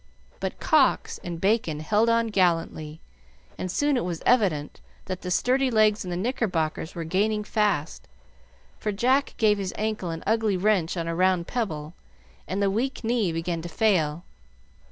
But Cox and Bacon held on gallantly; and soon it was evident that the sturdy legs in the knickerbockers were gaining fast, for Jack gave his ankle an ugly wrench on a round pebble, and the weak knee began to fail.